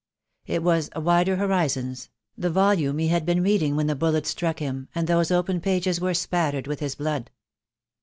It was "Wider Horizons," the volume he had been reading when the bullet struck him, and those open pages were spattered with his blood.